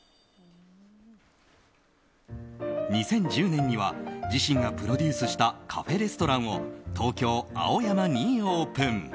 ２０１０年には自身がプロデュースしたカフェレストランを東京・青山にオープン。